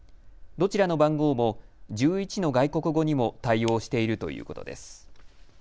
どちらの番号も１１の外国語にも対応しているということです。